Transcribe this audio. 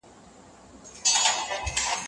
پوست به نه سي کاڼی نه به دوست کړې د دښمن بچی